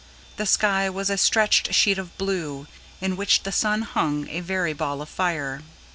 The sky was a stretched sheet of blue, in which the sun hung a very ball of fire.